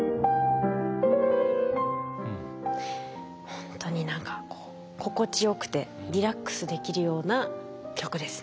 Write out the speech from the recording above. ほんとに何かこう心地よくてリラックスできるような曲ですね。